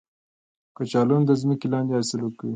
کچالو هم د ځمکې لاندې حاصل ورکوي